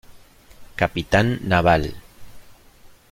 Capitán Naval.